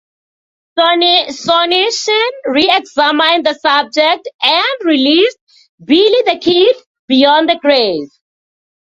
Sonnichsen, re-examined the subject and released "Billy the Kid: Beyond the Grave".